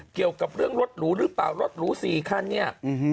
เกี่ยวกับเรื่องรถหรูหรือเปล่ารถหรูสี่คันเนี่ย